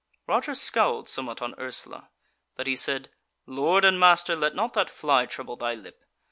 Roger scowled somewhat on Ursula; but he said: "Lord and master, let not that fly trouble thy lip.